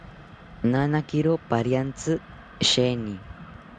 Nanakiro pariantzi sheeni